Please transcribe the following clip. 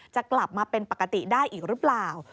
จะกลับมาเป็นปกติได้อีกหรือเปล่า